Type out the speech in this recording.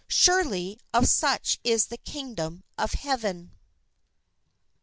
Surely of such is the Kingdom of Heaven!